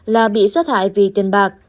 là bị sát hại vì tiền bạc